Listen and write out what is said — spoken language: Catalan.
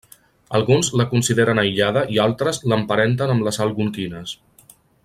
Alguns la consideren aïllada i altres l'emparenten amb les algonquines.